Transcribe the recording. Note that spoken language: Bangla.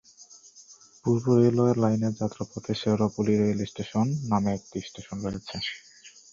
পূর্ব রেলওয়ে লাইনের যাত্রাপথে শেওড়াফুলি রেলস্টেশন নামে একটি স্টেশন রয়েছে।